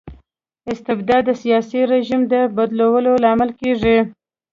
استبداد د سياسي رژيم د بدلیدو لامل کيږي.